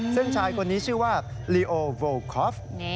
ซึ่งชายคนนี้ชื่อว่าลีโอโวลคอฟ